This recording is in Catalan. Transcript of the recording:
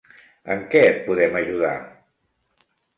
En què et podem ajudar?